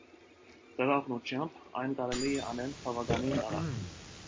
Դրա օգնությամբ այն կարելի է անել բավականին արագ։